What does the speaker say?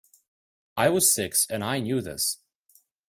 I was six and I knew this.